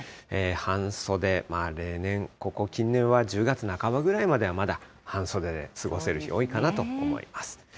半袖、まあ例年、ここ近年は１０月半ばぐらいまでは、まだ半袖で過ごせる日、多いかなと思います。